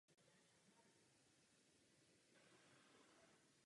Vznik života je zřejmě nejdůležitější událostí tohoto období.